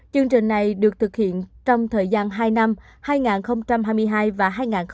chương trình này được thực hiện trong thời gian hai năm hai nghìn hai mươi hai và hai nghìn hai mươi ba